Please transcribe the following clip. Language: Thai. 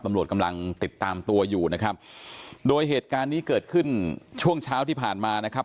ตำรวจกำลังติดตามตัวอยู่นะครับโดยเหตุการณ์นี้เกิดขึ้นช่วงเช้าที่ผ่านมานะครับ